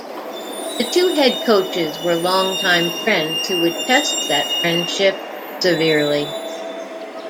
The two head coaches were longtime friends who would test that friendship severely.